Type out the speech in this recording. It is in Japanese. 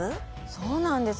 そうなんです。